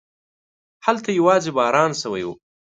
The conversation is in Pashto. هلته يواځې باران شوی و.